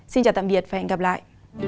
xin chào tạm biệt và hẹn gặp lại